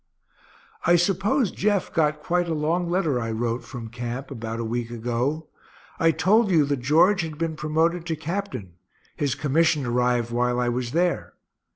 I suppose Jeff got quite a long letter I wrote, from camp, about a week ago. I told you that George had been promoted to captain his commission arrived while I was there.